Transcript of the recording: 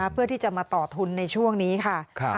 เพื่อที่จะมาต่อทุนในช่วงนี้ค่ะ